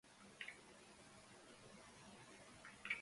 Shinya Hatta